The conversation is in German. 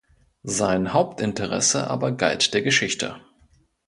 Sein Hauptinteresse aber galt der Geschichte.